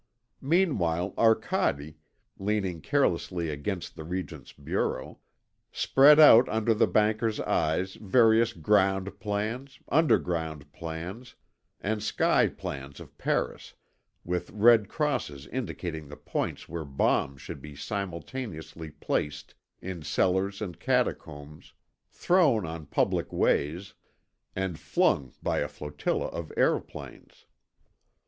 Meanwhile Arcade, leaning carelessly against the Regent's bureau, spread out under the Banker's eyes various ground plans, underground plans, and sky plans of Paris with red crosses indicating the points where bombs should be simultaneously placed in cellars and catacombs, thrown on public ways, and flung by a flotilla of aeroplanes.